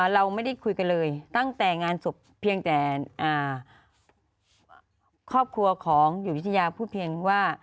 เราไม่ได้คุยกันเลยตั้งแต่งานศพเพียงแต่ครอบครัวของอยู่วิทยาพูดเพียงว่า